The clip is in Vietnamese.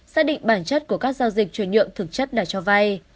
xác định bản chất của các giao dịch chuyển nhượng thực chất là cho vay